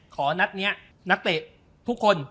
ขอนัดนี้นักเตะทุกคน